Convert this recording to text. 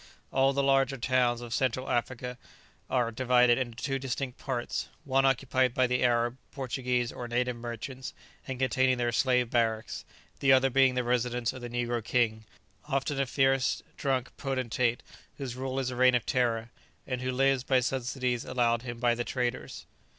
All the larger towns of Central Africa are divided into two distinct parts; one occupied by the Arab, Portuguese, or native merchants, and containing their slave barracks; the other being the residence of the negro king, often a fierce drunken potentate, whose rule is a reign of terror, and who lives by subsidies allowed him by the traders.